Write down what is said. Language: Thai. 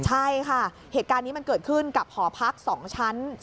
ใช่ค่ะเหตุการณ์นี้มันเกิดขึ้นกับหอพัก๒ชั้น